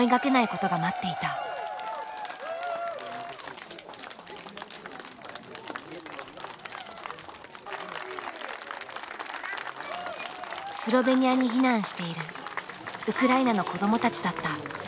スロベニアに避難しているウクライナの子どもたちだった。